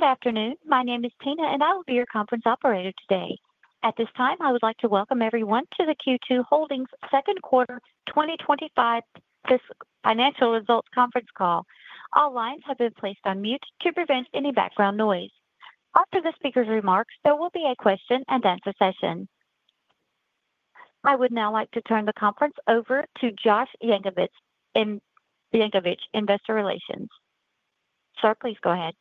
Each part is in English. Good afternoon, my name is Tina and I will be your conference operator today. At this time I would like to welcome everyone to the Q2 Holdings second quarter 2025 financial results conference call. All lines have been placed on mute to prevent any background noise. After the speakers' remarks, there will be a question-and-answer session. I would now like to turn the conference over to Josh Yankovich and Investor Relations. Sir, please go ahead.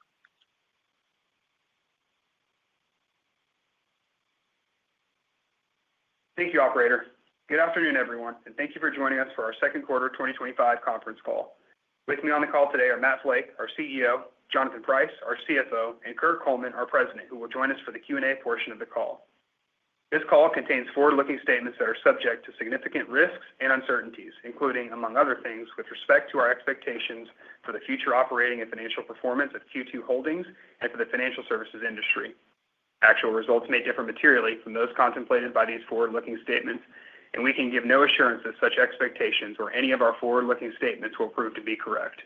Thank you, operator. Good afternoon everyone and thank you for joining us for our second quarter 2025 conference call. With me on the call today are Matt Flake, our CEO, Jonathan Price, our CFO, and Kirk Coleman, our President, who will join us for the Q&A portion of the call. This call contains forward-looking statements that are subject to significant risks and uncertainties, including, among other things, with respect to our expectations for the future operating and financial performance of Q2 Holdings and for the financial services industry. Actual results may differ materially from those contemplated by these forward-looking statements and we can give no assurance that such expectations or any of our forward-looking statements will prove to be correct.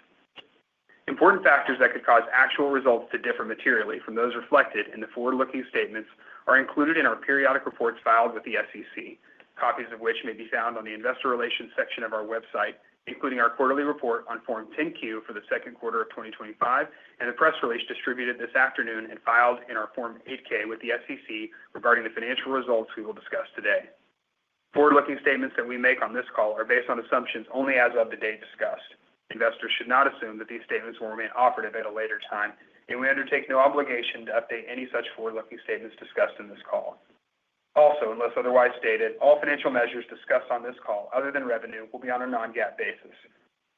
Important factors that could cause actual results to differ materially from those reflected in the forward-looking statements are included in our periodic reports filed with the SEC, copies of which may be found on the Investor Relations section of our website, including our quarterly report on Form 10-Q for the second quarter of 2025 and the press release distributed this afternoon and filed in our Form 8-K with the SEC regarding the financial results we will discuss today. Forward-looking statements that we make on this call are based on assumptions only as of the date discussed. Investors should not assume that these statements will remain operative at a later time and we undertake no obligation to update any such forward-looking statements discussed in this call. Also, unless otherwise stated, all financial measures discussed on this call other than revenue will be on a non-GAAP basis.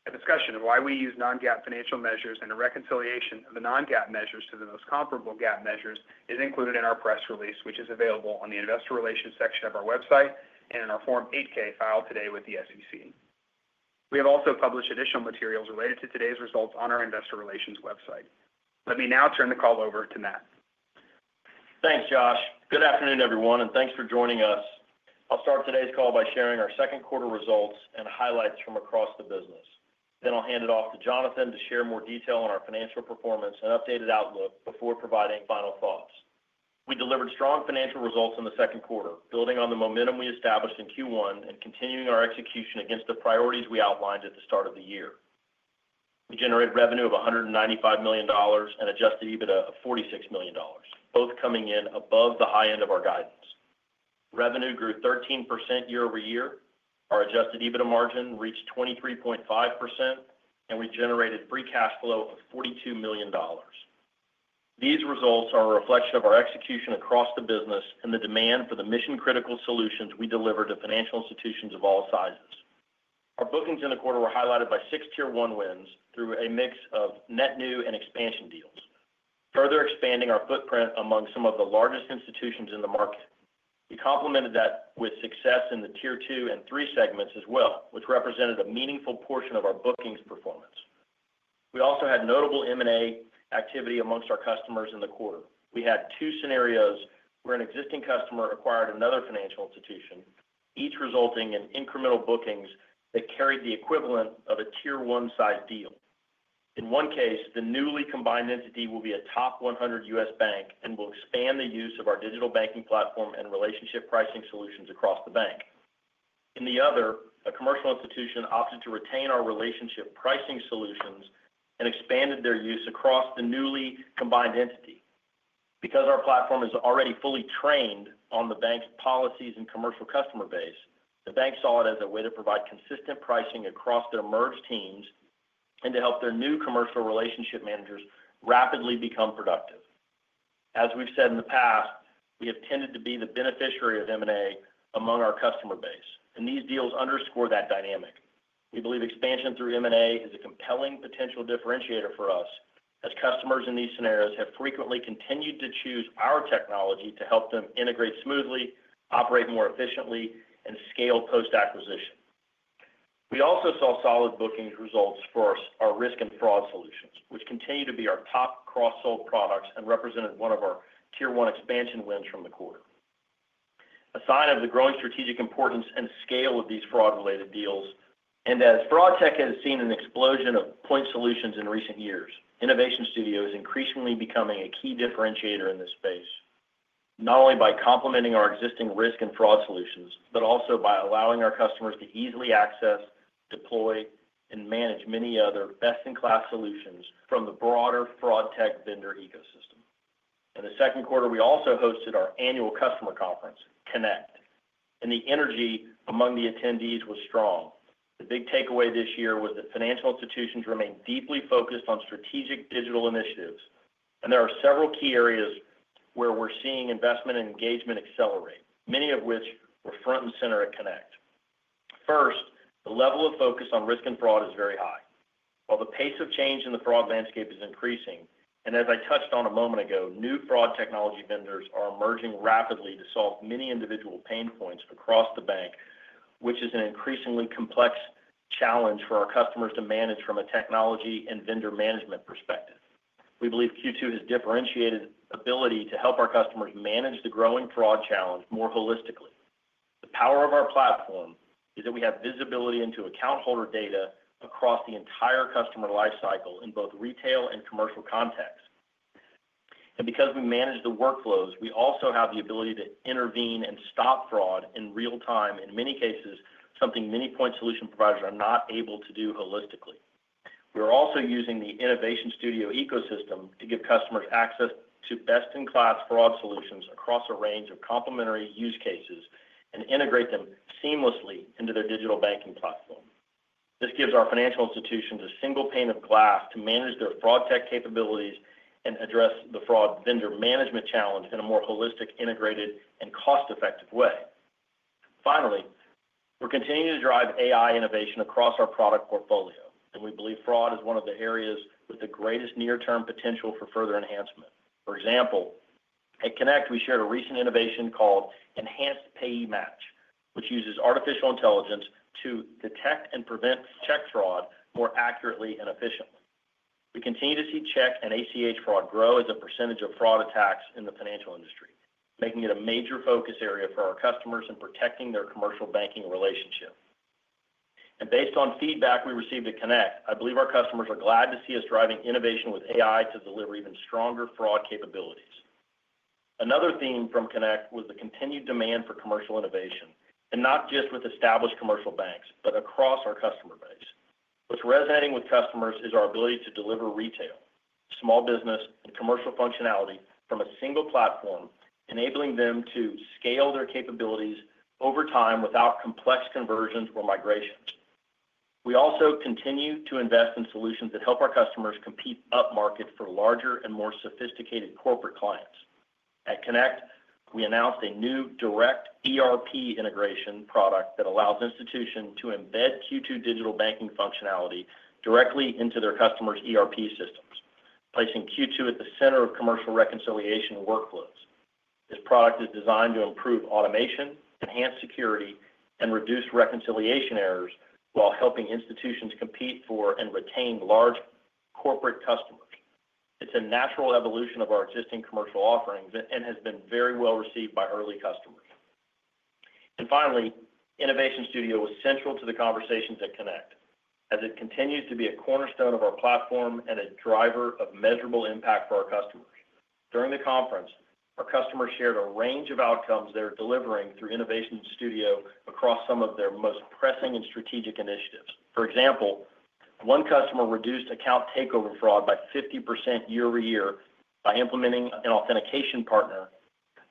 A discussion of why we use non-GAAP financial measures and a reconciliation of the non-GAAP measures to the most comparable GAAP measures is included in our press release which is available on the Investor Relations section of our website and in our Form 8-K filed today with the SEC. We have also published additional materials related to today's results on our Investor Relations website. Let me now turn the call over to Matt. Thanks, Josh. Good afternoon everyone and thanks for joining us. I'll start today's call by sharing our second quarter results and highlights from across the business. I'll hand it off to Jonathan to share more detail on our financial performance and updated outlook before providing final thoughts. We delivered strong financial results in the second quarter, building on the momentum we established in Q1 and continuing our execution against the priorities we outlined at the start of the year. We generated revenue of $195 million and adjusted EBITDA of $46 million, both coming in above the high end of our guidance. Revenue grew 13% year-over-year, our adjusted EBITDA margin reached 23.5%, and we generated free cash flow of $42 million. These results are a reflection of our execution across the business and the demand for the mission critical solutions we deliver to financial institutions of all sizes. Our bookings in the quarter were highlighted by six Tier 1 wins through a mix of net new and expansion deals, further expanding our footprint among some of the largest institutions in the market. We complemented that with success in the Tier 2 and 3 segments as well, which represented a meaningful portion of our bookings performance. We also had notable M&A activity amongst our customers in the quarter. We had two scenarios where an existing customer acquired another financial institution, each resulting in incremental bookings that carried the equivalent of a Tier 1 size deal. In one case, the newly combined entity will be a top 100 U.S. bank and will expand the use of our digital banking platform and relationship pricing solutions across the bank. In the other, a commercial institution opted to retain our relationship pricing solutions and expanded their use across the newly combined entity. Because our platform is already fully trained on the bank's policies and commercial customer base, the bank saw it as a way to provide consistent pricing across their merged teams and to help their new commercial relationship managers rapidly become productive. As we've said in the past, we intended to be the beneficiary of M&A among our customer base and these deals underscore that dynamic. We believe expansion through M&A is a compelling potential differentiator for us as customers in these scenarios have frequently continued to choose our technology to help them integrate smoothly, operate more efficiently, and scale post acquisition. We also saw solid bookings results for our risk and fraud solutions, which continue to be our top cross-sold products and represented one of our Tier 1 expansion wins from the quarter, a sign of the growing strategic importance and scale of these fraud-related deals. As FraudTech has seen an explosion of point solutions in recent years, the Innovation Studio ecosystem is increasingly becoming a key differentiator in this space, not only by complementing our existing risk and fraud solutions but also by allowing our customers to easily access, deploy, and manage many other best-in-class solutions from the broader fraud tech vendor ecosystem. In the second quarter, we also hosted our annual customer conference, Connect, and the energy among the attendees was strong. The big takeaway this year was that financial institutions remained deeply focused on strategic digital initiatives, and there are several key areas where we're seeing investment engagement accelerate, many of which were front and center at Connect. First, the level of focus on risk and fraud is very high, while the pace of change in the fraud landscape is increasing. As I touched on a moment ago, new fraud technology vendors are emerging rapidly to solve many individual pain points across the bank, which is an increasingly complex challenge for our customers to manage. From a technology and vendor management perspective, we believe Q2 Holdings has differentiated ability to help our customers manage the growing fraud challenge more holistically. The power of our platform is that we have visibility into account holder data across the entire customer life cycle in both retail and commercial contexts. Because we manage the workflows, we also have the ability to intervene and stop fraud in real time in many cases, something many point solution providers are not able to do holistically. We are also using the Innovation Studio ecosystem to give customers access to best-in-class fraud solutions across a range of complementary use cases and integrate them seamlessly into their digital banking platform. This gives our financial institutions a single pane of glass to manage their fraud tech capabilities and address the fraud vendor management challenge in a more holistic, integrated, and cost-effective way. Finally, we're continuing to drive AI innovation across our product portfolio, and we believe fraud is one of the areas with the greatest near-term potential for further enhancement. For example, at Connect we shared a recent innovation called Enhanced Payee Match, which uses artificial intelligence to detect and prevent check fraud more accurately and efficiently. We continue to see check and ACH fraud grow as a percentage of fraud attacks in the financial industry, making it a major focus area for our customers and protecting their commercial banking relationship. Based on feedback we received at Connect, I believe our customers are glad to see us driving innovation with AI to deliver even stronger fraud capabilities. Another theme from Connect was the continued demand for commercial innovation, not just with established commercial banks, but across our customer base. What's resonating with customers is our ability to deliver retail, small business, and commercial functionality from a single platform, enabling them to scale their capabilities over time without complex conversions or migrations. We also continue to invest in solutions that help our customers compete upmarket for larger and more sophisticated corporate clients. At Connect, we announced a new Direct ERP integration product that allows institutions to embed Q2 digital banking functionality directly into their customers' ERP systems, placing Q2 at the center of commercial reconciliation workflows. This product is designed to improve automation, enhance security, and reduce reconciliation errors while helping institutions compete for and retain large corporate customers. It's a natural evolution of our existing commercial offerings and has been very well received by early customers. Finally, Innovation Studio was central to the conversations at Connect as it continues to be a cornerstone of our platform and a driver of measurable impact for our customers. During the conference, our customers shared a range of outcomes they're delivering through Innovation Studio across some of their most pressing and strategic initiatives. For example, one customer reduced account takeover fraud by 50% year-over-year by implementing an authentication partner.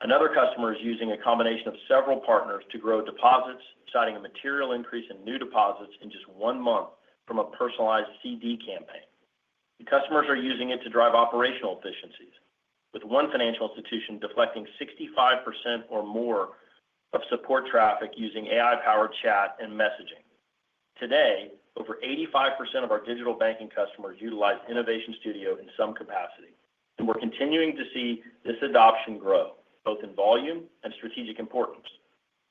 Another customer is using a combination of several partners to grow deposits, citing a material increase in new deposits in just one month from a personalized CD campaign. Customers are using it to drive operational efficiencies, with one financial institution deflecting 65% or more of support traffic using AI-powered chat and messaging. Today, over 85% of our digital banking customers utilize Innovation Studio in some capacity, and we're continuing to see this adoption grow both in volume and strategic importance.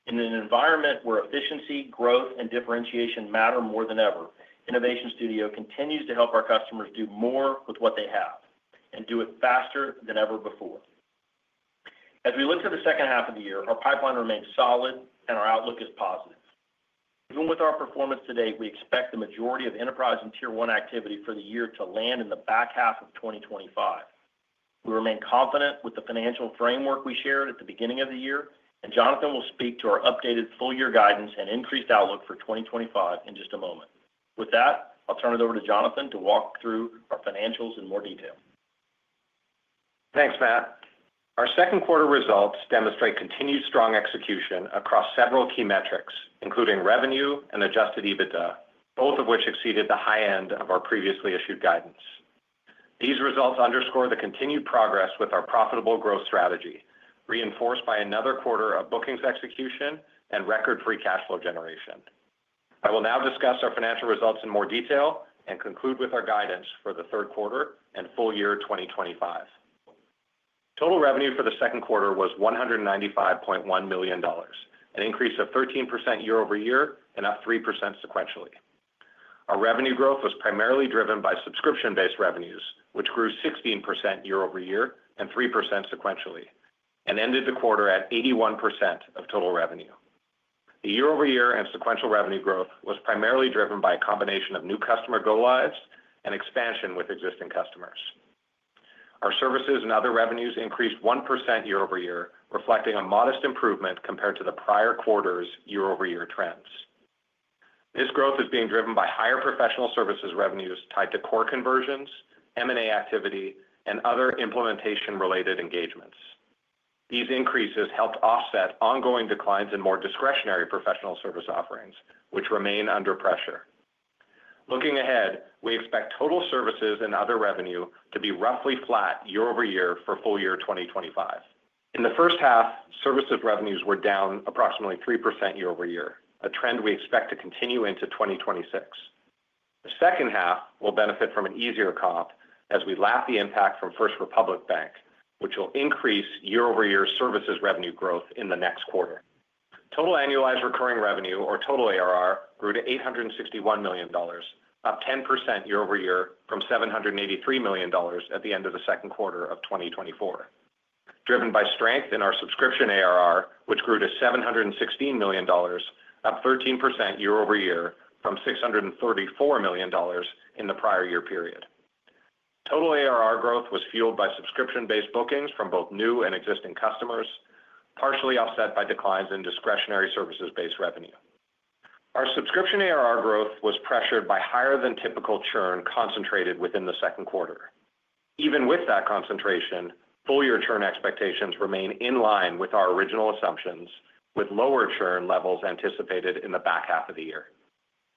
In an environment where efficiency, growth, and differentiation matter more than ever, Innovation Studio continues to help our customers do more with what they have and do it faster than ever before. As we look to the second half of the year, our pipeline remains solid and our outlook is positive. Even with our performance to date, we expect the majority of enterprise and Tier 1 activity for the year to land in the back half of 2025. We remain confident with the financial framework we shared at the beginning of the year, and Jonathan will speak to our updated full year guidance and increased outlook for 2025 in just a moment. With that, I'll turn it over to Jonathan to walk through our financials in more detail. Thanks, Matt. Our second quarter results demonstrate continued strong execution across several key metrics including revenue and adjusted EBITDA, both of which exceeded the high end of our previously issued guidance. These results underscore the continued progress with our profitable growth strategy reinforced by another quarter of bookings, execution, and record free cash flow generation. I will now discuss our financial results in more detail and conclude with our guidance for the third quarter and full year 2025. Total revenue for the second quarter was $195.1 million, an increase of 13% year-over-year and up 3% sequentially. Our revenue growth was primarily driven by subscription-based revenues, which grew 16% year-over-year and 3% sequentially and ended the quarter at 81% of total revenue. The year-over-year and sequential revenue growth was primarily driven by a combination of new customer go-lives and expansion with existing customers. Our services and other revenues increased 1% year-over-year, reflecting a modest improvement compared to the prior quarter's year-over-year trends. This growth is being driven by higher professional services revenues tied to core conversions, M&A activity, and other implementation-related engagements. These increases helped offset ongoing declines in more discretionary professional service offerings, which remain under pressure. Looking ahead, we expect total services and other revenue to be roughly flat year-over-year for full year 2025. In the first half, services revenues were down approximately 3% year-over-year, a trend we expect to continue into 2026. The second half will benefit from an easier comp as we lap the impact from First Republic Bank, which will increase year-over-year services revenue growth in the next quarter. Total annualized recurring revenue, or total ARR, grew to $861 million, up 10% year-over-year from $783 million at the end of the second quarter of 2024, driven by strength in our subscription ARR, which grew to $716 million, up 13% year-over-year from $634 million in the prior year period. Total ARR growth was fueled by subscription-based bookings from both new and existing customers, partially offset by declines in discretionary services-based revenue. Our subscription ARR growth was pressured by higher than typical churn concentrated within the second quarter. Even with that concentration, full year churn expectations remain in line with our original assumptions with lower churn levels anticipated in the back half of the year.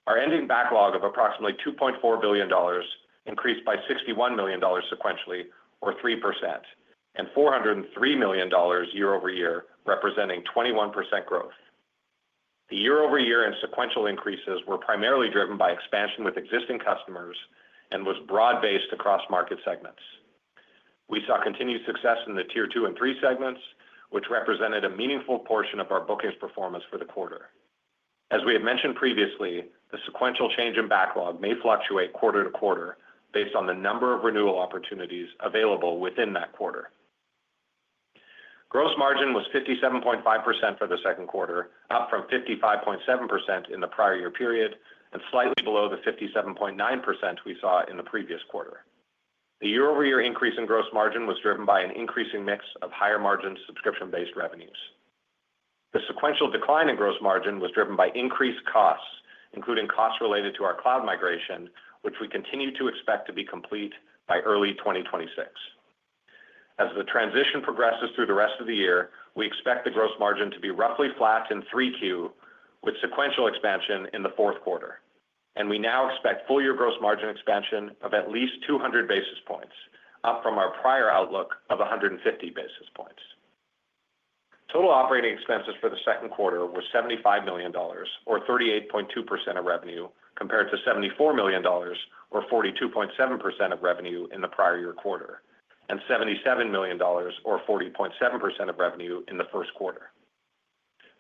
Our ending backlog of approximately $2.4 billion increased by $61 million sequentially, or 3%, and $403 million year-over-year, representing 21% growth. The year-over-year and sequential increases were primarily driven by expansion with existing customers and was broad based across market segments. We saw continued success in the Tier 2 and Tier 3 segments, which represented a meaningful portion of our bookings performance for the quarter. As we had mentioned previously, the sequential change in backlog may fluctuate quarter to quarter based on the number of renewal opportunities available within that quarter. Gross margin was 57.5% for the second quarter, up from 55.7% in the prior year period and slightly below the 57.9% we saw in the previous quarter. The year-over-year increase in gross margin was driven by an increasing mix of higher margin subscription-based revenues. The sequential decline in gross margin was driven by increased costs, including costs related to our cloud migration, which we continue to expect to be complete by early 2026 as the transition progresses through the rest of the year. We expect the gross margin to be roughly flat in 3Q with sequential expansion in the fourth quarter, and we now expect full year gross margin expansion of at least 200 basis points, up from our prior outlook of 150 basis points. Total operating expenses for the second quarter were $75 million, or 38.2% of revenue, compared to $74 million, or 42.7% of revenue in the prior year quarter, and $77 million, or 40.7% of revenue in the first quarter.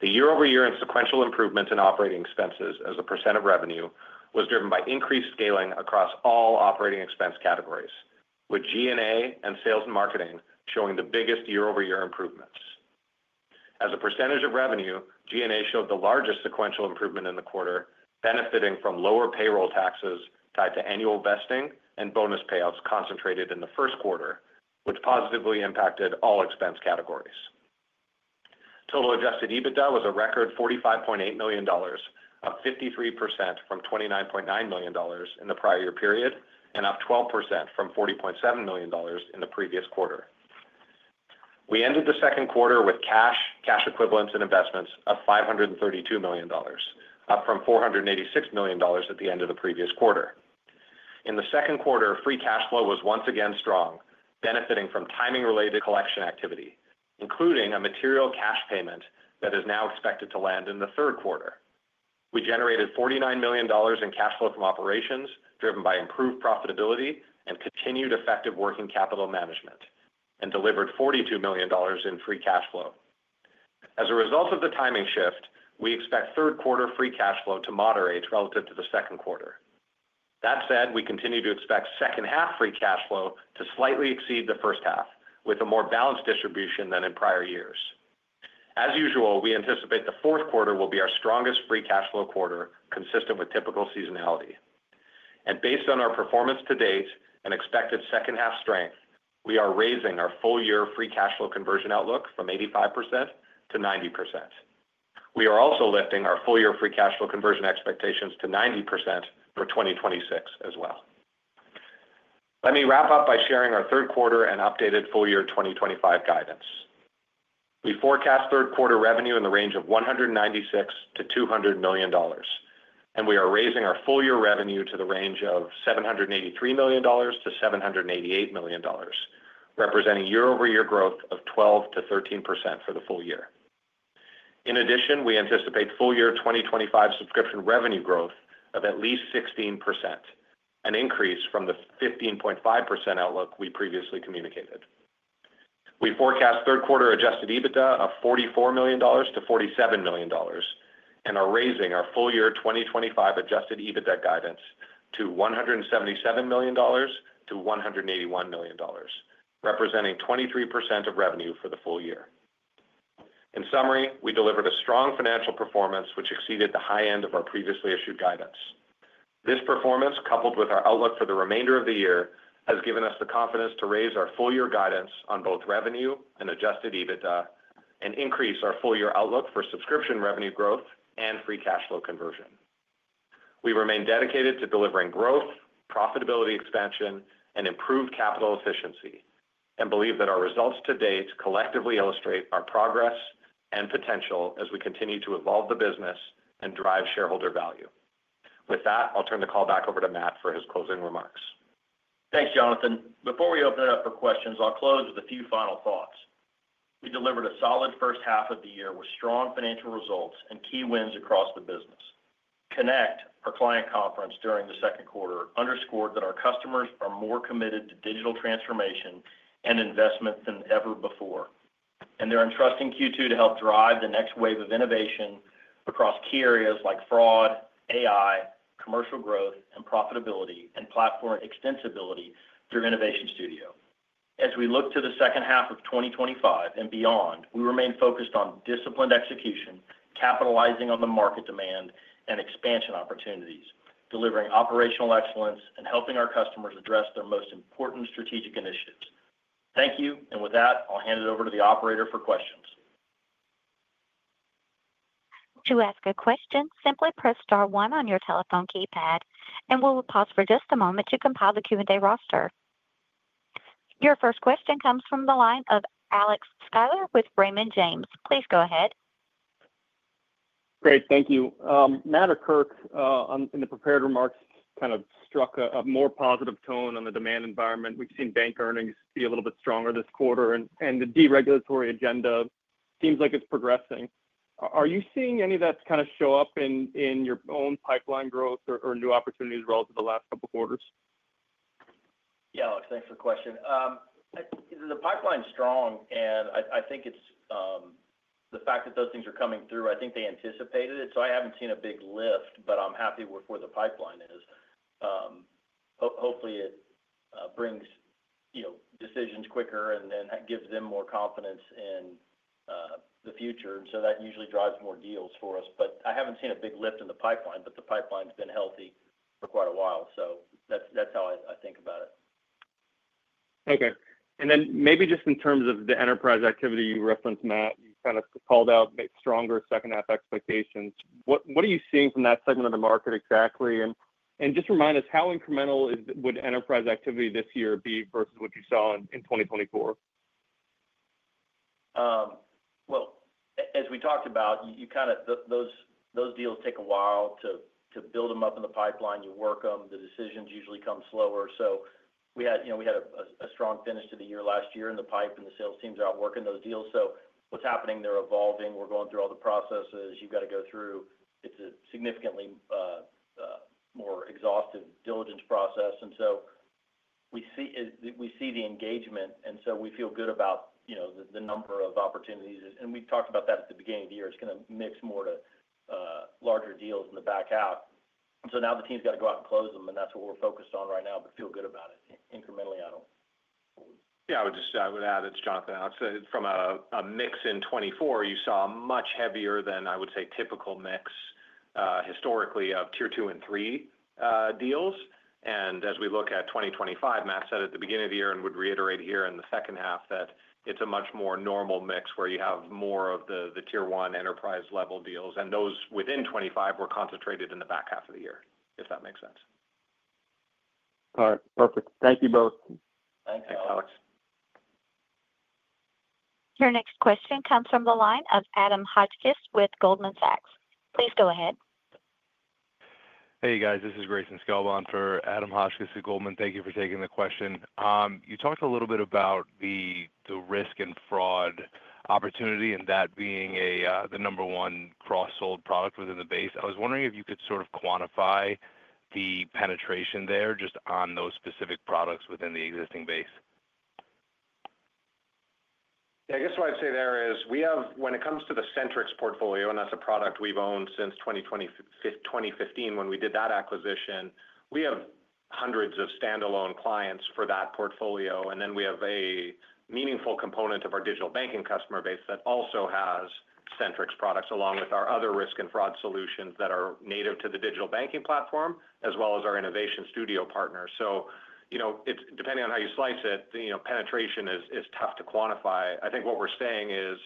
The year-over-year and sequential improvement in operating expenses as a percent of revenue was driven by increased scaling across all operating expense categories, with G&A and Sales and Marketing showing the biggest year-over-year improvements as a percentage of revenue. G&A showed the largest sequential improvement in the quarter, benefiting from lower payroll taxes tied to annual vesting and bonus payouts concentrated in the first quarter, which positively impacted all expense categories. Total adjusted EBITDA was a record $45.8 million, up 53% from $29.9 million in the prior year period and up 12% from $40.7 million in the previous quarter. We ended the second quarter with cash, cash equivalents, and investments of $532 million, up from $486 million at the end of the previous quarter. In the second quarter, free cash flow was once again strong, benefiting from timing-related collection activity, including a material cash payment that is now expected to land. In the third quarter. We generated $49 million in cash flow from operations driven by improved profitability and continued effective working capital management and delivered $42 million in free cash flow. As a result of the timing shift, we expect third quarter free cash flow to moderate relative to the second quarter. That said, we continue to expect second half free cash flow to slightly exceed the first half with a more balanced distribution than in prior years. As usual, we anticipate the fourth quarter will be our strongest free cash flow quarter consistent with typical seasonality, and based on our performance to date and expected second half strength, we are raising our full year free cash flow conversion outlook from 85% to 90%. We are also lifting our full year free cash flow conversion expectations to 90% for 2026 as well. Let me wrap up by sharing our third quarter and updated full year 2025 guidance. We forecast third quarter revenue in the range of $196 million-$200 million, and we are raising our full year revenue to the range of $783 million-$788 million, representing year-over-year growth of 12%-13% for the full year. In addition, we anticipate full year 2025 subscription revenue growth of at least 16%, an increase from the 15.5% outlook we previously communicated. We forecast third quarter adjusted EBITDA of $44 million-$47 million and are raising our full year 2025 adjusted EBITDA guidance to $177 million-$181 million, representing 23% of revenue for the full year. In summary, we delivered a strong financial performance which exceeded the high end of our previously issued guidance. This performance, coupled with our outlook for the remainder of the year, has given us the confidence to raise our full year guidance on both revenue and adjusted EBITDA and increase our full year outlook for subscription revenue growth and free cash flow conversion. We remain dedicated to delivering growth, profitability, expansion, and improved capital efficiency, and believe that our results to date collectively illustrate our progress and potential as we continue to evolve the business and drive shareholder value. With that, I'll turn the call back over to Matt for his closing remarks. Thanks, Jonathan. Before we open it up for questions, I'll close with a few final thoughts. We delivered a solid first half of the year with strong financial results and key wins across the Business Connect. Our client conference during the second quarter underscored that our customers are more committed to digital transformation and investment than ever before, and they're entrusting Q2 to help drive the next wave of innovation across key areas like fraud, AI, commercial growth and profitability, and platform extensibility through Innovation Studio. As we look to the second half of 2025 and beyond, we remain focused on disciplined execution, capitalizing on the market demand and expansion opportunities, delivering operational excellence, and helping our customers address their most important strategic initiatives. Thank you. With that, I'll hand it over to the operator for questions. To ask a question, simply press Star one on your telephone keypad, and we'll pause for just a moment to compile the Q&A roster. Your first question comes from the line of Alex Sklar with Raymond James. Please go ahead. Great, thank you. Matt or Kirk, in the prepared remarks, kind of struck a more positive tone. On the demand environment, we've seen bank earnings be a little. Bit stronger this quarter, and the deregulatory agenda seems like it's progressing. Are you seeing any of that kind? Of show up in your own pipeline. Growth or new opportunities relative to the last couple quarters? Yeah, Alex, thanks for the question. The pipeline is strong, and I think it's the fact that those things are coming through. I think they anticipated it. I haven't seen a big lift, but I'm happy with where the pipeline is. Hopefully, it brings decisions quicker and gives them more confidence in the future. That usually drives more deals for us. I haven't seen a big lift in the pipeline, but the pipeline's been healthy for quite a while. That's how I think about it. Okay. In terms of the enterprise activity you referenced, Matt, you kind of called out stronger second half expectations. What are you seeing from that segment of the market exactly? Just remind us, how incremental would enterprise activity this year be versus what. You saw in 2024? As we talked about, those deals take a while to build up in the pipeline. You work them. The decisions usually come slower. We had a strong finish to the year last year in the pipe and the sales teams are out working those deals. What's happening? They're evolving. We're going through all the processes you've got to go through. It's a significantly more exhaustive diligence process. We see the engagement and we feel good about the number of opportunities. We talked about that at the beginning of the year. It's going to mix more to larger deals in the back half. Now the team's got to go out and close them and that's what we're focused on right now. Feel good about it incrementally. I don't. Yeah, I would just add, it's Jonathan, I'd say from a mix in 2024, you saw much heavier than I would say typical mix historically of Tier 2 and Tier 3 deals. As we look at 2025, Matt said at the beginning of the year and would reiterate here in the second half that it's a much more normal mix where you have more of the Tier 1 enterprise level deals, and those within 2025 were concentrated in the back half of the year, if that makes sense. All right, perfect. Thank you both. Thanks, Alex. Your next question comes from the line of Adam Hotchkiss with Goldman Sachs. Please go ahead. Hey guys, this is Greyson Sklba for Adam Hotchkiss at Goldman. Thank you for taking the question. You talked a little bit about the risk and fraud opportunity and that being the number one cross-sold product within the base. I was wondering if you could sort of quantify the penetration there just on those specific products within the existing base. I guess what I'd say there is, we have, when it comes to the Centrix portfolio, and that's a product we've owned since 2015 when we did that acquisition. We have hundreds of standalone clients for that portfolio. We have a meaningful component of our digital banking customer base that also has Centrix products, along with our other risk and fraud management solutions that are native to the digital banking platform as well as our Innovation Studio partners. Depending on how you slice it, penetration is tough to quantify. I think what we're saying is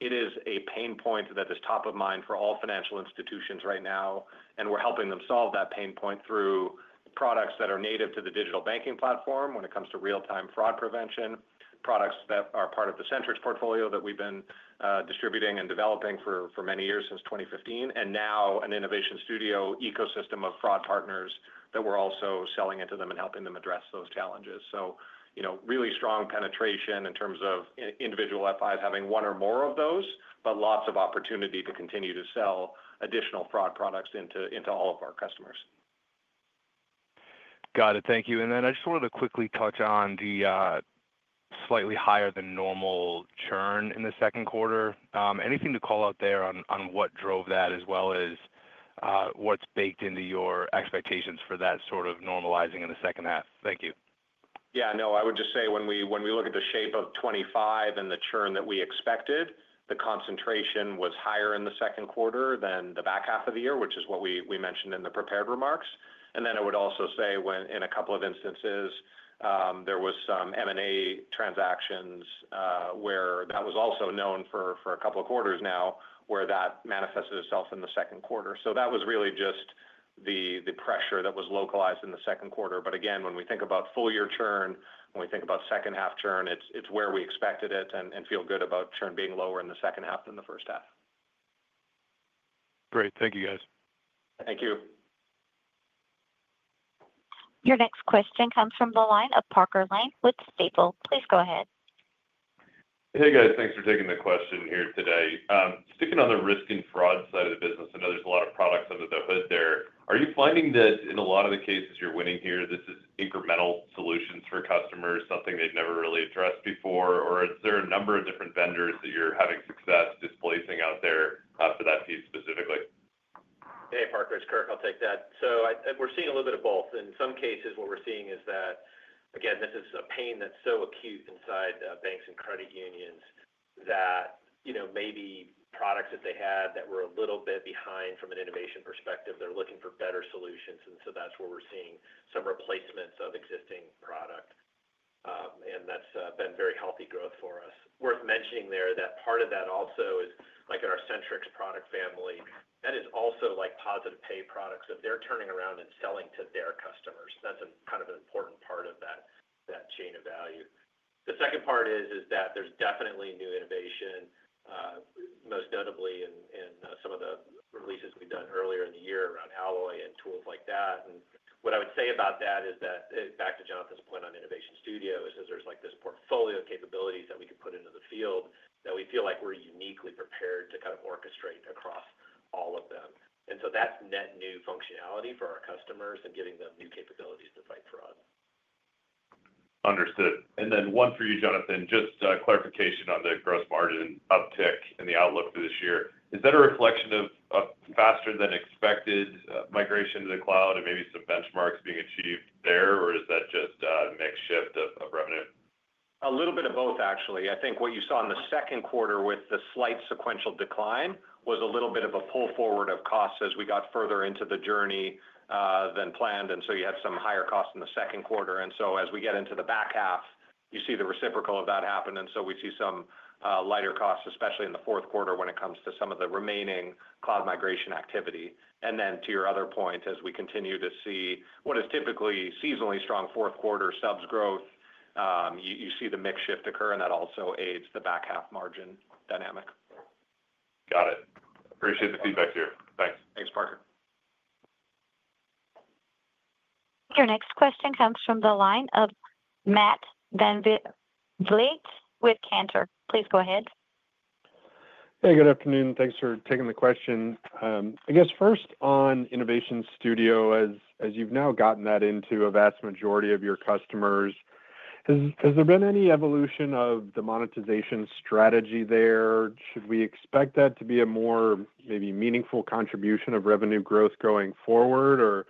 it is a pain point that is top of mind for all financial institutions right now, and we're helping them solve that pain point through products that are native to the digital banking platform. When it comes to real time fraud prevention products that are part of the Centrix portfolio that we've been distributing and developing for many years, since 2015, and now an Innovation Studio ecosystem of fraud partners that we're also selling into them and helping them address those challenges. There is really strong penetration in terms of individual FIs having one or more of those, but lots of opportunity to continue to sell additional fraud products into all of our customers. Got it, thank you. I just wanted to quickly touch on the slightly higher than normal churn in the second quarter. Anything to call out there on what drove that as well as what's baked into your expectations for that sort of normalizing in the second half. Thank you. Yeah, no, I would just say when we look at the shape of 2025 and the churn that we expected, the concentration was higher in the second quarter than the back half of the year, which is what we mentioned in the prepared remarks. I would also say in a couple of instances, there were some M&A transactions where that was also known for a couple of quarters now, where that manifested itself in the second quarter. That was really just the pressure that was localized in the second quarter. Again, when we think about full year churn, when we think about second half churn, it's where we expected it and feel good about churn being lower in the second half than the first half. Great. Thank you, guys. Thank you. Your next question comes from the line of Parker Lane with Stifel. Please go ahead. Hey guys, thanks for taking the question here today. Sticking on the risk and fraud side of the business, I know there's a lot of products. Under the hood there. Are you finding that in a lot of the cases you're winning here? Is this incremental solutions for customers, something they've never really addressed before, or is there a number of different vendors that you're having success displacing out there for that piece specifically? Hey, Parker, it's Kirk. We're seeing a little bit of both in some cases. What we're seeing is that again, this is a pain that's so acute inside banks and credit unions that maybe products that they had that were a little bit behind from an innovation perspective, they're looking for better solutions. That's where we're seeing some replacements of existing product, and that's been very healthy growth for us. Worth mentioning there, that part of that also is like in our Centrix product family, that is also like positive pay products that they're turning around and selling to their customers. That's a kind of an important part of that chain of value. The second part is that there's definitely new innovation, most notably in some of the releases we've done earlier in the year around Alloy and tools like that. What I would say about that is that back to Jonathan Price's point, on Innovation Studio, there's like this portfolio of capabilities that we could put into the field that we feel like we're uniquely prepared to kind of orchestrate across all of them. That's net new functionality for our customers and giving them new capabilities to fight fraud. Understood. One for you, Jonathan, just clarification on the gross margin uptick and the outlook for this year. Is that a reflection of a faster than expected migration to the cloud and maybe some benchmarks being achieved there, or is that just mix shift of revenue? A little bit of both, actually. I think what you saw in the second quarter with the slight sequential decline was a little bit of a pull forward of costs as we got further into the journey than planned. You had some higher costs in the second quarter. As we get into the back half, you see the reciprocal of that happen. We see some lighter costs, especially in the fourth quarter when it comes to some of the remaining cloud migration activity. To your other point, as we continue to see what is typically seasonally strong fourth quarter subs growth, you see the mix shift occur and that also aids the back half margin dynamic. Got it. Appreciate the feedback here. Thanks. Thanks. Parker. Your next question comes from the line of Matt VanVliet with Cantor. Please go ahead. Hey, good afternoon. Thanks for taking the question. I guess first on Innovation Studio, as you've now gotten that into a vast majority of your customers, has there been any evolution of the monetization strategy there? Should we expect that to be a more maybe meaningful contribution of revenue growth going forward, or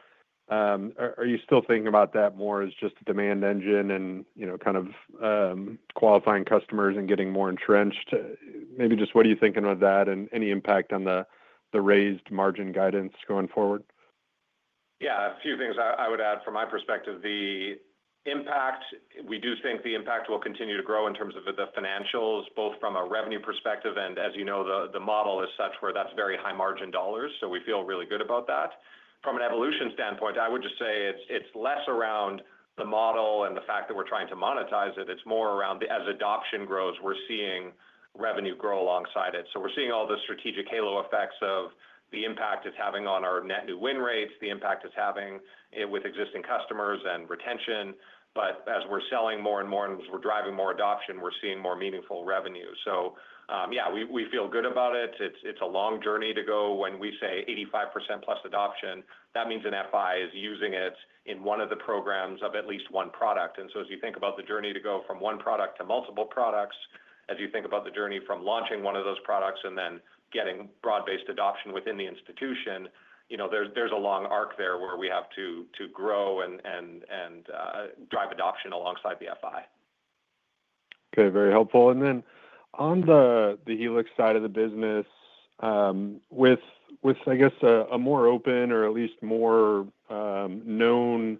are you still thinking about that more as just a demand engine and, you know, kind of qualifying customers and getting more entrenched maybe? Just what are you thinking of that and any impact on the raised margin guidance going forward? Yeah, a few things I would add from my perspective. The impact, we do think the impact will continue to grow in terms of the financials, both from a revenue perspective and as you know, the model is such where that's very high margin dollars. We feel really good about that from an evolution standpoint. I would just say it's less around the model and the fact that we're trying to monetize it, it's more around as adoption grows, we're seeing revenue grow alongside it. We're seeing all the strategic halo effects of the impact it's having on our net new win rates, the impact it's having with existing customers and retention. As we're selling more and more and we're driving more adoption, we're seeing more meaningful revenue. Yeah, we feel good about it. It's a long journey to go. When we say 85%+ adoption, that means an FI is using it in one of the programs of at least one product. As you think about the journey to go from one product to multiple products, as you think about the journey from launching one of those products and then getting broad based adoption within the institution, there's a long arc there where we have to grow and drive adoption alongside the FI. Okay, very helpful. On the Helix side of the business, with, I guess, a more open or at least more known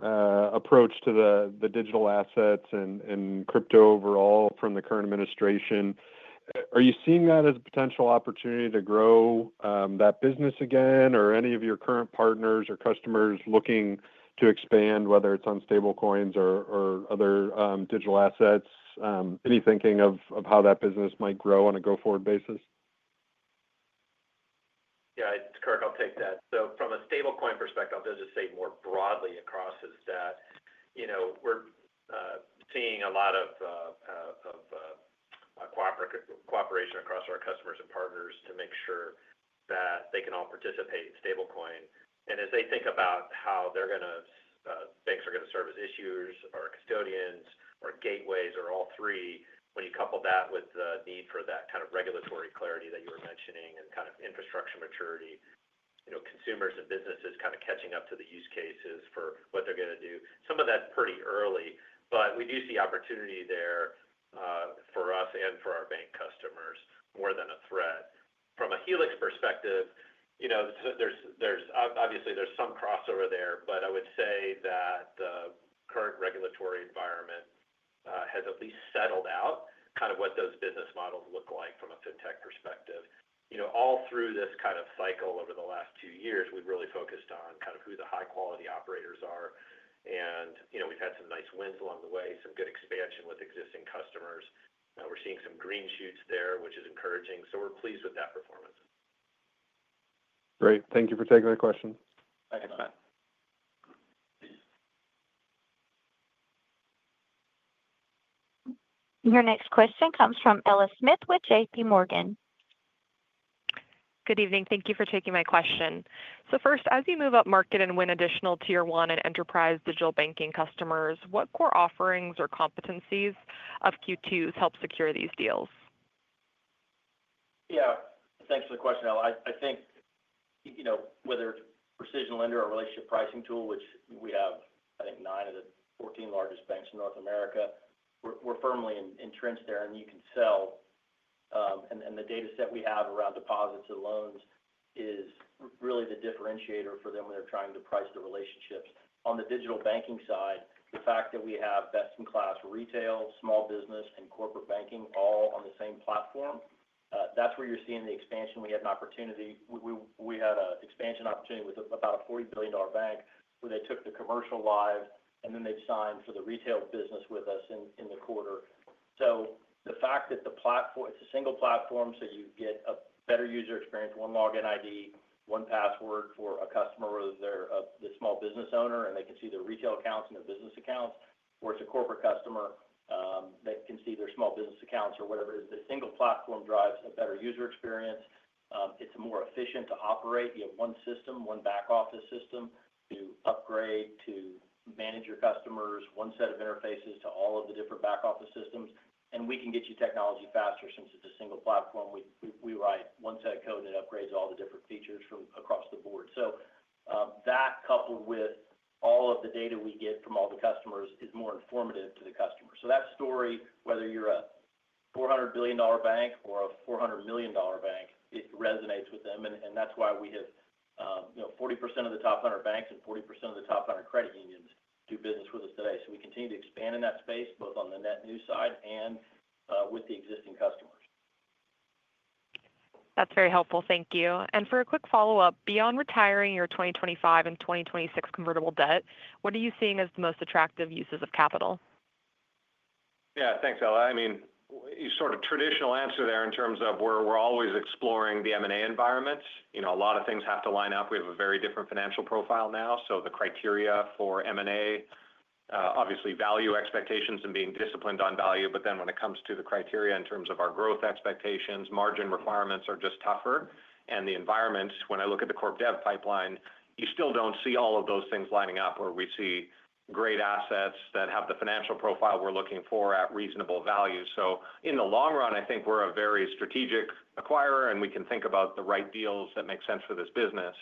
approach to the digital assets and crypto overall from the current administration, are you seeing that as a potential opportunity to grow that business again? Are any of your current partners or customers looking to expand, whether it's on stablecoin adoption or other digital assets? Any thinking of how that business might grow on a go forward basis? Yeah, it's Kirk. I'll take that. From a stablecoin perspective, they'll just say more broadly across is that, you know, we're seeing a lot of cooperation across our customers and partners to make sure that they can all participate in stablecoin. As they think about how they're going to, banks are going to serve as issuers or custodians or gateways or all three. When you couple that with the need for that kind of regulatory clarity that you were mentioning and kind of infrastructure maturity, you know, consumers and businesses kind of catching up to the use cases for what they're going to. Do some of that pretty early. We do see opportunity there for us and for our bank customers more than a threat from a Helix perspective. Obviously, there's some crossover there, but I would say that the current regulatory environment has at least settled out what those business models look like from a fintech perspective. All through this cycle over the last two years, we've really focused on who the high quality operators are and we've had some nice wins along the way, some good expansion with existing customers. We're seeing some green shoots there, which is encouraging. We're pleased with that performance. Great. Thank you for taking the question. Thanks, Matt. Your next question comes from Ella Smith with JP Morgan. Good evening. Thank you for taking my question. First, as you move up market and win additional Tier 1 and enterprise digital banking, what custom offerings or competencies of Q2's help secure these deals? Yeah, thanks for the question. I think whether Precision Lender or relationship pricing solutions, which we have, I think nine of the 14 largest banks in North America, we're firmly entrenched there and you can sell and the data set we have around deposits and loans is really the differentiator for them when they're trying to price the relationships. On the digital banking side, the fact that we have best-in-class retail, small business, and corporate banking all on the same platform, that's where you're seeing the expansion. We had an expansion opportunity with about a $40 billion bank where they took the commercial live and then they signed for the retail business with us in the quarter. The fact that the platform, it's a single platform so you get a better user experience. One Login ID, one Password for a customer, whether they're the small business owner and they can see their retail accounts and their business accounts, or it's a corporate customer that can see their small business accounts or whatever it is. The single platform drives a better user experience. It's more efficient to operate. You have one system, one back office system to upgrade to manage your customers, one set of interfaces to all of the different back office systems, and we can get you technology faster. Since it's a single platform, we write one set of code and it upgrades all the different features from across the board. That, coupled with all of the data we get from all the customers, is more informative to the customer. That story, whether you're a $400 billion bank or a $400 million bank, it resonates with them. That's why we have 40% of the top 100 U.S. banks and 40% of the top 100 credit unions do business with us today. We continue to expand in that space both on the net new side and with the existing customers. That's very helpful, thank you. For a quick follow up, beyond retiring your 2025 and 2026 convertible debt, what are you seeing as the most attractive uses of capital? Yeah, thanks, Ella. I mean, sort of traditional answer there in terms of we're always exploring the M&A environment. You know, a lot of things have to line up. We have a very different financial profile now. The criteria for M&A obviously value expectations and being disciplined on value. When it comes to the criteria in terms of our growth expectations, margin requirements are just tougher. The environment, when I look at the corp dev pipeline, you still don't see all of those things lining up where we see great assets that have the financial profile we're looking for at reasonable value. In the long run, I think we're a very strategic acquirer and we can think about the right deals that make sense for this business.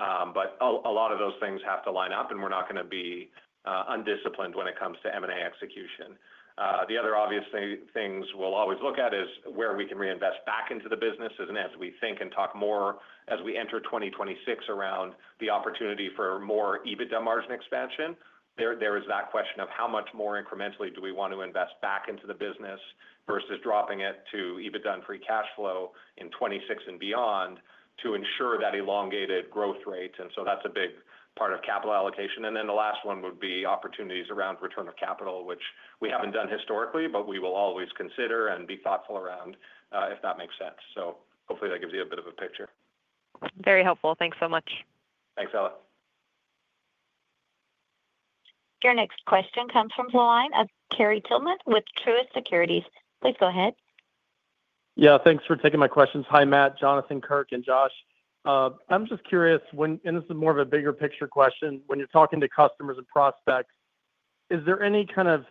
A lot of those things have to line up and we're not going to be undisciplined when it comes to M&A execution. The other obvious things we'll always look at is where we can reinvest back into the business. As we think and talk more as we enter 2026 around the opportunity for more EBITDA margin expansion, there is that question of how much more incrementally do we want to invest back into the business versus dropping it to EBITDA and free cash flow in 2026 and beyond to ensure that elongated growth rate. That's a big part of capital allocation. The last one would be opportunities around return of capital, which we haven't done historically, but we will always consider and be thoughtful around if that makes sense. Hopefully that gives you a bit of a picture. Very helpful. Thanks so much. Thanks. Ella. Your next question comes from the line of Terry Tillman with Truist Securities. Please go ahead. Yeah, thanks for taking my questions. Hi Matt, Jonathan, Kirk, and Josh. I'm just curious when, and this is more of a bigger picture question, when you're talking to customers and prospects, is there any kind of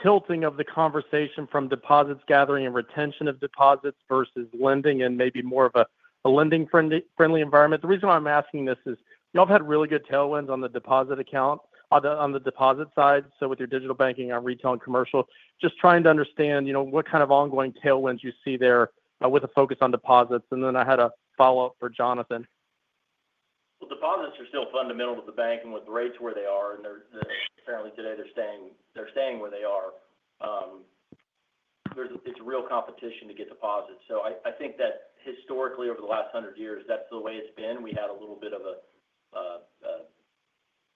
tilting of the conversation from deposits gathering and retention of deposits versus lending and maybe more of a lending friendly environment? The reason why I'm asking this is you all had really good tailwinds on the deposit account on the deposit side. With your digital banking on retail and commercial, just trying to understand what kind of ongoing tailwinds you see there with a focus on deposits. I had a follow up for Jonathan. Deposits are still fundamental to the bank and with rates where they are and apparently today they're staying where they are, it's real competition to get deposits. I think that historically over the last 100 years that's the way it's been. We had a little bit of a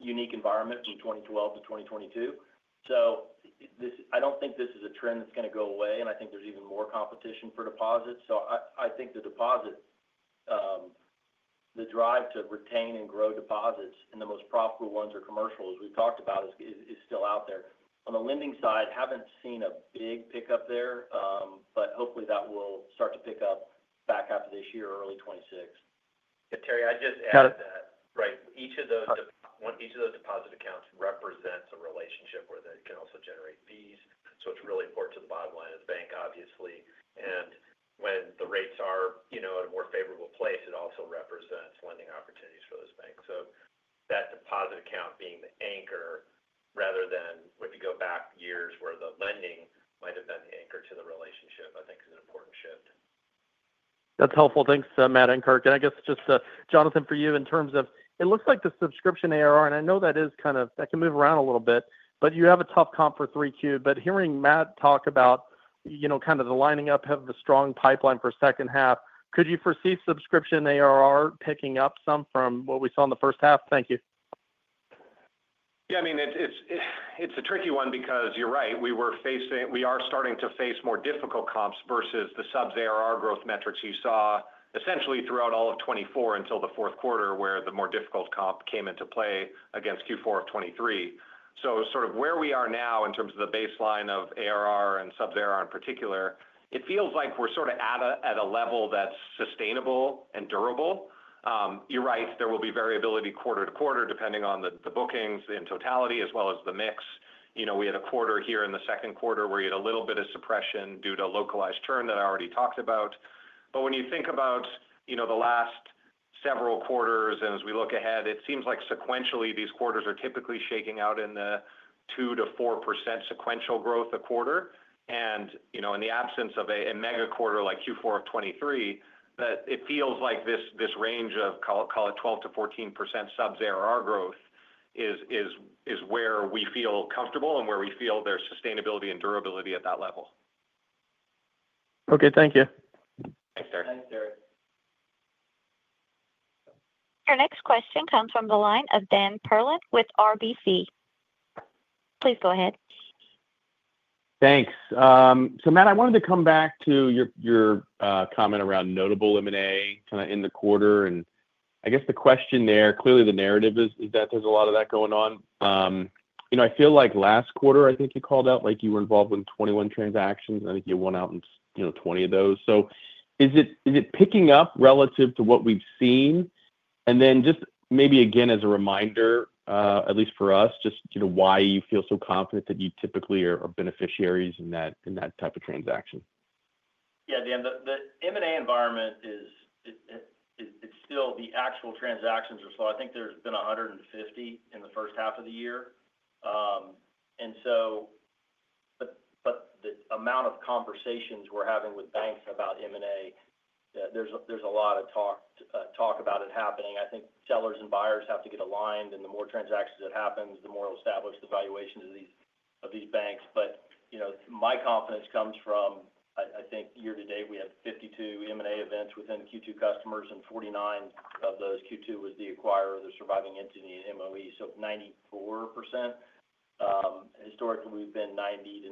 unique environment from 2012 to 2022. I don't think this is a trend that's going to go away. I think there's even more competition for deposits. The drive to retain and grow deposits and the most profitable ones are commercials we've talked about is still out there. On the lending side, haven't seen a big pickup there but hopefully that will start to pick up back after this year, early 2026. Terry, I just add that right. Each of those deposit. Accounts represents a relationship where they can also generate fees. It is really important to the bottom line of the bank, obviously. When the rates are at a more favorable place, it also represents lending opportunities for those banks. That deposit account being the anchor, rather than if you go back years where the lending might have been the anchor to the relationship, I think is an important shift. That's helpful. Thanks Matt and Kirk and I guess just Jonathan for you in terms of it looks like the subscription ARR, and I know that is kind of, that can move around a little bit, but you have a tough comp for 3Q. Hearing Matt talk about, you know, kind of the lining up, have the strong pipeline for second half. Could you foresee subscription ARR picking up some from what we saw in the first half? Thank you. Yeah, I mean it's a tricky one because you're right, we were facing, we are starting to face more difficult comps versus the subs ARR growth metrics you saw essentially throughout all of 2024 until the fourth quarter where the more difficult comp came into play against Q4 of 2023. Where we are now in terms of the baseline of ARR and sub ARR in particular, it feels like we're at a level that's sustainable and durable. You're right, there will be variability quarter to quarter depending on the bookings in totality as well as the mix. We had a quarter here in the second quarter where you had a little bit of suppression due to localized churn that I already talked about. When you think about the last several quarters, as we look ahead, it seems like sequentially these quarters are typically shaking out in the 2%-4% sequential growth a quarter. In the absence of a mega quarter like Q4 of 2023, it feels like this range of, call it 12%-14% sub ARR growth is where we feel comfortable and where we feel there's sustainability and durability at that level. Okay, thank you. Thanks, Terry. Thanks, Terry. Our next question comes from the line of Dan Perlin with RBC. Please go ahead. Thanks. Matt, I wanted to come back to your comment around notable M&A in the quarter. I guess the question there, clearly. The narrative is that there's a lot. Of that going on. I feel like last quarter. I think you called out, like, you. Were involved with 21 transactions, and I. You won out in 20 of those. Is it picking up relative to what we've seen? Maybe again as a. Reminder, at least for us, just why you feel so confident that. You typically are beneficiaries in that. That type of transaction? Yeah, Dan, the M&A environment is, it's still, the actual transactions are slow. I think there's been 150 in the first half of the year, but the amount of conversations we're having with banks about M&A, there's a lot of talk about it happening. I think sellers and buyers have to get aligned, and the more transactions that happen, the more it will establish the valuations of these banks. My confidence comes from, I think year to date we had 52 M&A events within Q2 customers, and 49 of those, Q2 was the acquirer, the surviving entity, and MOE. So 94%. Historically, we've been 90%-95%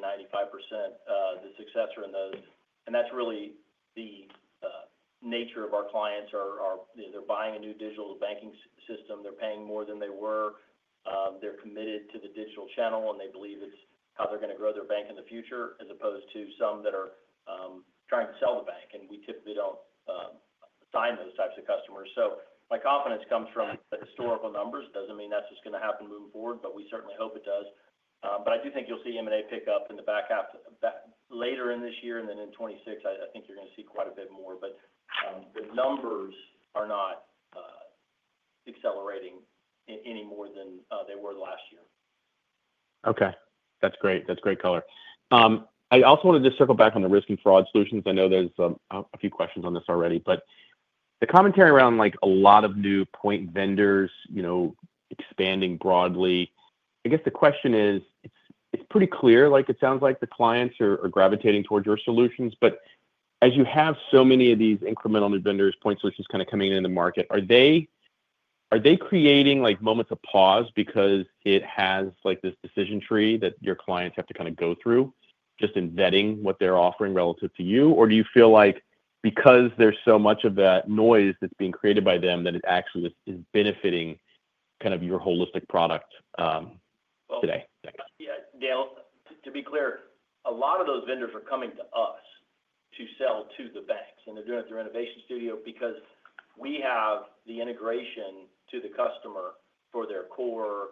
the successor in those, and that's really the nature of our clients. They're buying a new digital banking system, they're paying more than they were, they're committed to the digital channel, and they believe it's how they're going to grow their bank in the future as opposed to some that are trying to sell the bank. We typically don't sign those types of customers. My confidence comes from historical numbers. Doesn't mean that's just going to happen moving forward, but we certainly hope it does. I do think you'll see M&A pick up in the back half later in this year, and then in 2026, I think you're going to see quite a bit more, but the numbers are not accelerating any more than they were last year. Okay, that's great. That's great. Color. I also wanted to circle back on the risk and fraud management solutions. I know there's a few questions on. This already, but the commentary around like a lot of new point vendors expanding broadly, I guess the question. It's pretty clear like it sounds. Like the clients are gravitating towards your solutions. As you have so many of these incremental new vendors, point sources kind of coming in the market, are they? Are they creating moments of pause because it has this decision tree? That your clients have to kind of. Go through just in vetting what they're offering relative to you or do you feel like because there's so much of that noise that's being created by them that it actually is benefiting kind of your holistic product today. Thanks, Dan. To be clear, a lot of those vendors are coming to us to sell to the banks and they're doing it through Innovation Studio because we have the integration to the customer for their core,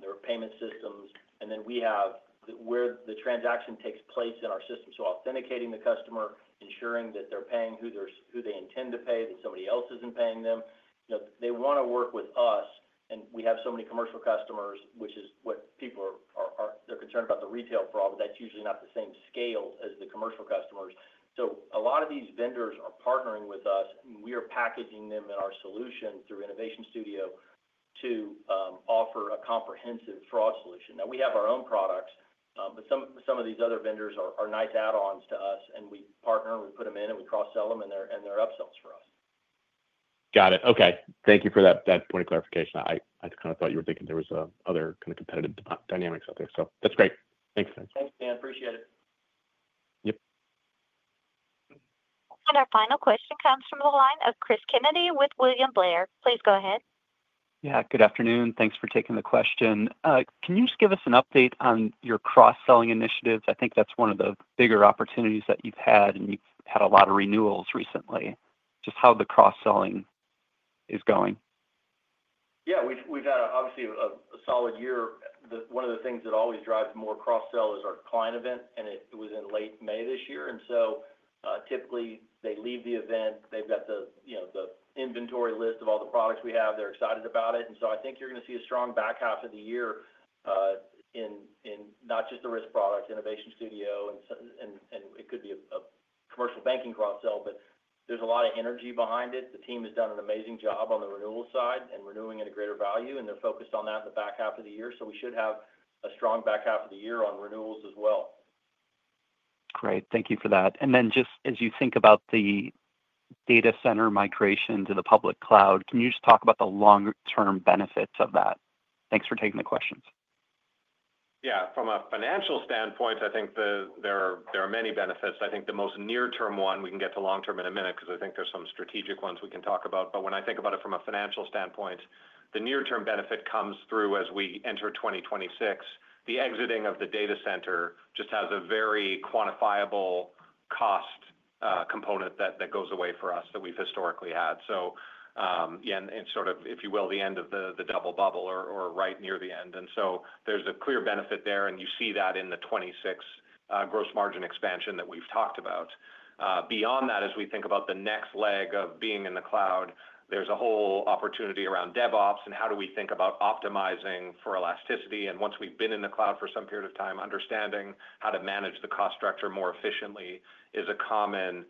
their payment systems, and then we have where the transaction takes place in our system. Authenticating the customer, ensuring that they're paying who they intend to pay, that somebody else isn't paying them, they want to work with us. We have so many commercial customers, which is what people are concerned about, the retail fraud. That's usually not the same scale as the commercial customers. A lot of these vendors are partnering with us and we are packaging them in our solution through Innovation Studio to offer a comprehensive fraud solution. We have our own products, but some of these other vendors are nice add-ons to us and we partner, we put them in, and we cross-sell them and they're upsells for us. Got it. Okay, thank you for that point of clarification. I thought you were thinking there was other kind of competitive dynamics out there. That's great. Thanks. Thanks Dan. Appreciate it. Yep. Our final question comes from the line of Cris Kennedy with William Blair. Please go ahead. Yeah, good afternoon. Thanks for taking the question. Can you just give us an update on your cross-sell initiatives? I think that's one of the bigger opportunities that you've had and you had a lot of renewals recently, just how the cross-sell is going. Yeah, we've had obviously a solid year. One of the things that always drives more cross-sell is our client event, and it was in late May this year. Typically, they leave the event, they've got the inventory list of all the products we have, they're excited about it. I think you're going to see a strong back half of the year in not just the risk products, Innovation Studio, and it could be a commercial banking cross-sell, but there's a lot of energy behind it. The team has done an amazing job on the renewal side and renewing at a greater value, and they're focused on that in the back half of the year. We should have a strong back half of the year on renewals as well. Great, thank you for that. As you think about the data center migration to the public cloud, can you just talk about the long-term benefits of that? Thanks for taking the questions. Yeah, from a financial standpoint, I think there are many benefits. I think the most near term one, we can get to long term in a minute because I think there's some strategic ones we can talk about. When I think about it from a financial standpoint, the near term benefit comes through as we enter 2026. The exiting of the data center just has a very quantifiable cost component that goes away for us that we've historically had. It's sort of, if you will, the end of the double bubble or right near the end. There is a clear benefit there. You see that in the 2026 gross margin expansion that we've talked about. Beyond that, as we think about the next leg of being in the cloud, there's a whole opportunity around DevOps and how we think about optimizing for elasticity. Once we've been in the cloud for some period of time, understanding how to manage the cost structure more efficiently is a common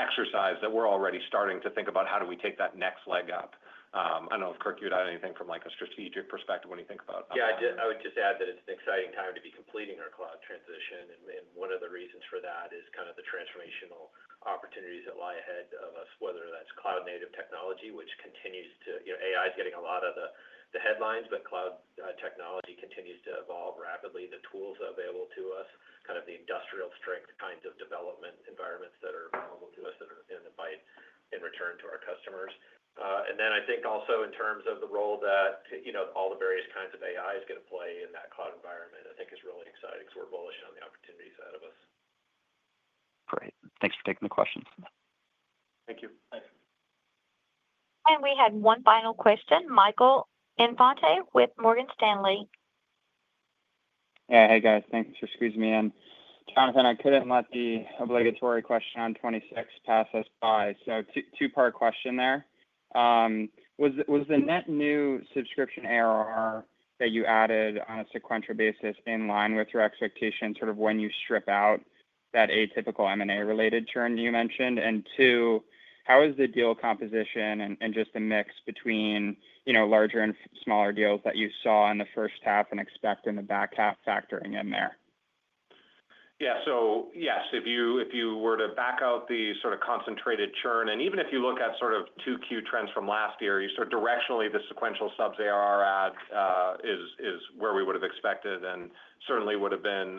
exercise that we're already starting to think about. How do we take that next leg up? I don't know if Kirk, you'd add anything from a strategic perspective when you think about that. Yeah, I would just add that it's an exciting time to be completing our cloud transition. One of the reasons for that is the transformational opportunities that lie ahead of us, whether that's cloud native technology, which continues to, you know, AI is getting a lot of the headlines, but cloud technology continues to evolve rapidly. The tools available to us, the industrial strength kinds of development environments. That are available to us. Going to bite in return to our customers. I think also in terms of the role that, you know, all the various kinds of AI is going to play in that cloud environment, I think is really exciting because we're bullish on the opportunities ahead of us. Great, thanks for taking the questions. Thank you. We had one final question. Michael Infante with Morgan Stanley. Yeah, hey guys, thanks for squeezing me in. Jonathan, I couldn't let the obligatory question on 26 pass us by. Two part question: was the net new subscription ARR that you added on a sequential basis in line with your expectation when you strip out that atypical M&A related churn you mentioned? How is the deal composition and just the mix between larger and smaller deals that you saw in the first half and expect in the back half factoring in there? Yes, if you were to back out the sort of concentrated churn, and even if you look at sort of 2Q trends from last year, so directionally the sequential subs ARR add is where we would have expected and certainly would have been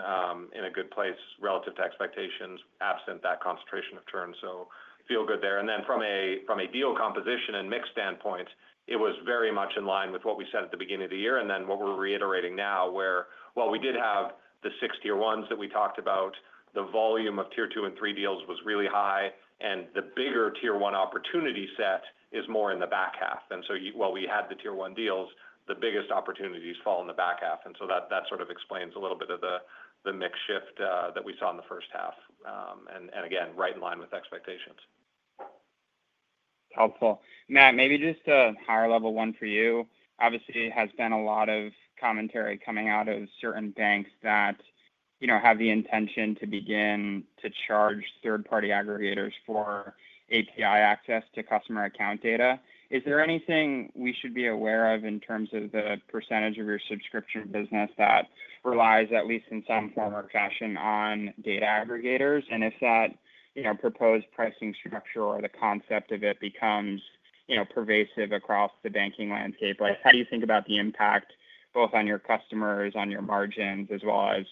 in a good place relative to expectations absent that concentration of churn. I feel good there. From a deal composition and mix standpoint, it was very much in line with what we said at the beginning of the year and what we're reiterating now, where while we did have the six Tier 1s that we talked about, the volume of Tier 2 and 3 deals was really high and the bigger Tier 1 opportunity set is more in the back half. While we had the Tier 1 deals, the biggest opportunities fall in the back half. That sort of explains a little bit of the mix shift that we saw in the first half, and again, right in line with expectations. Helpful, Matt, maybe just a higher level one for you. Obviously, there has been a lot of commentary coming out of certain banks that have the intention to begin to charge third party aggregators for API access to customer account data. Is there anything we should be aware of in terms of the percentage of your subscription business that relies at least in some form or fashion on data aggregators? If that proposed pricing structure or the concept of it becomes pervasive across the banking landscape, how do you think about the impact both on your customers, on your margins, as well as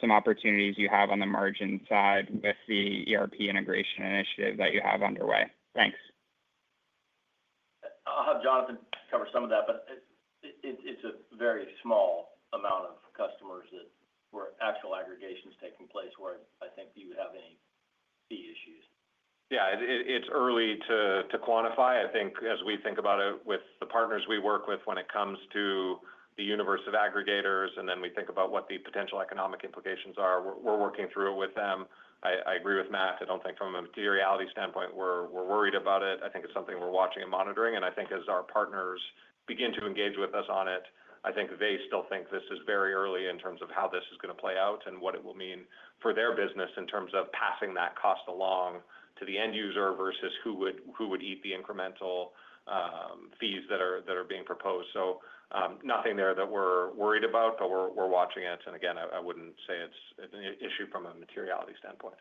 some opportunities you have on the margin side with the Direct ERP integration initiative that you have underway? Thanks. I'll have Jonathan Price cover some of that. It's a very small amount of customers that were actual aggregations taking place where I think you have any fee issues. Yeah, it's early to quantify. I think as we think about it with the partners we work with when it comes to the universe of aggregators and then we think about what the potential economic implications are, we're working through it with them. I agree with Matt. I don't think from a materiality standpoint we're worried about it. I think it's something we're watching and monitoring. I think as our partners begin to engage with us on it, they still think this is very early in terms of how this is going to play out and what it will mean for their business in terms of passing that cost along to the end user versus who would eat the incremental fees that are being proposed. Nothing there that we're worried about, but we're watching it. Again, I wouldn't say it's an issue from a materiality standpoint.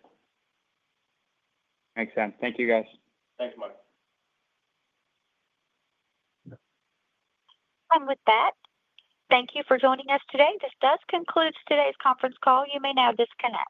Thanks, Sam. Thank you, guys. Thanks, Mike. Thank you for joining us today. This does conclude today's conference call. You may now disconnect.